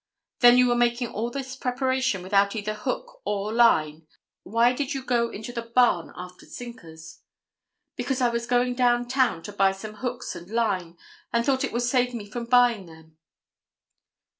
"Then you were making all this preparation without either hook or line. Why did you go into the barn after sinkers?" "Because I was going down town to buy some hooks and line, and thought it would save me from buying them."